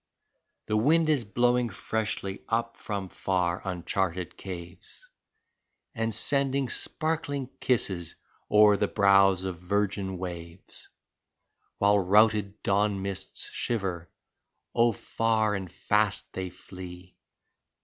The wind is blowing freshly up from far, uncharted caves, x\nd sending sparkling kisses o'er the brows of virgin waves. While routed dawn mists shiver — oh, far and fast they flee.